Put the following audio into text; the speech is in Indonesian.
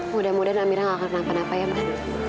mudah mudahan amira gak akan kenapa napa ya man